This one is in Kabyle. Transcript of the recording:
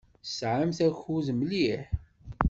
Tesɛamt akud mliḥ.